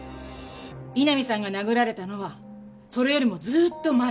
井波さんが殴られたのはそれよりもずーっと前。